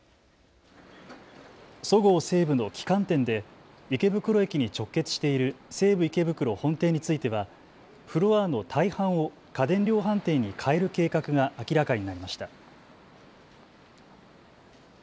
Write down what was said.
そごう・西武の旗艦店で池袋駅に直結している西武池袋本店についてはフロアの大半を家電量販店に変える計画が明らかになりました。